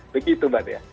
begitu mbak dea